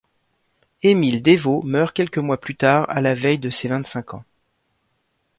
Émile Desvaux meurt quelques mois plus tard à la veille de ses vingt-cinq ans.